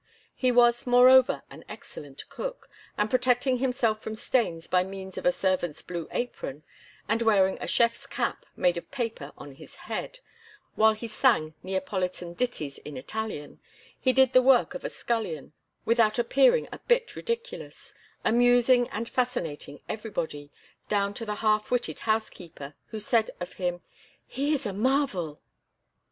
He was, moreover, an excellent cook, and protecting himself from stains by means of a servant's blue apron, and wearing a chef's cap made of paper on his head, while he sang Neapolitan ditties in Italian, he did the work of a scullion, without appearing a bit ridiculous, amusing and fascinating everybody, down to the half witted housekeeper, who said of him: "He is a marvel!"